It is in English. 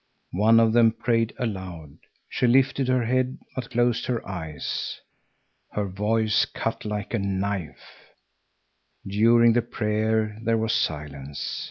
One of them prayed aloud. She lifted her head, but closed her eyes. Her voice cut like a knife. During the prayer there was silence.